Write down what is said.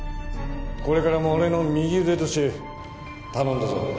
これからも俺の右腕として頼んだぞ。